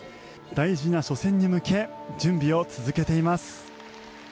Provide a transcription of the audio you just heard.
大事な初戦に向け準備を続けています。